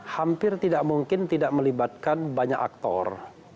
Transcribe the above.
hampir tidak mungkin tidak melibatkan banyak aktor